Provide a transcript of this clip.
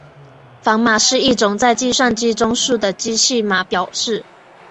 反码是一种在计算机中数的机器码表示。